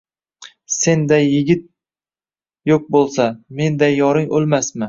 Senday yigit yoʼq boʼlsa, Menday yoring oʼlmasmi?